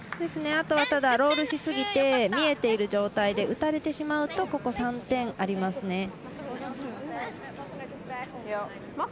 あとはただロールしすぎて見えている状態で打たれてしまうとここ３点ありますね。